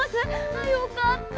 あっよかった。